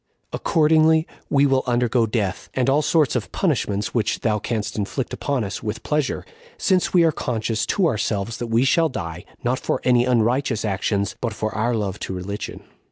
Accordingly we will undergo death, and all sorts of punishments which thou canst inflict upon us, with pleasure, since we are conscious to ourselves that we shall die, not for any unrighteous actions, but for our love to religion."